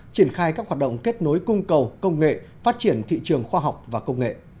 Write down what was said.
triển khai các hoạt động kết nối cung cầu công nghệ phát triển thị trường khoa học và công nghệ